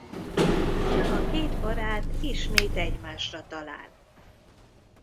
A két barát ismét egymásra talál.